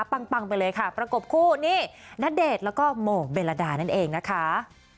ปังไปเลยค่ะประกบคู่นี่ณเดชน์แล้วก็โมกเบลดานั่นเองนะคะ